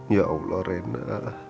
ya allah rena